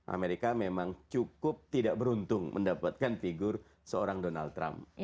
amerika memang cukup tidak beruntung mendapatkan figur seorang donald trump